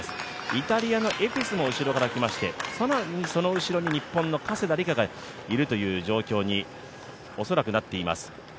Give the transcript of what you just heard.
イタリアのエピスも後ろから来まして、更にその後ろに日本の加世田梨花がいるという状況に恐らくなっています。